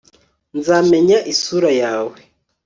nzamenya isura yawe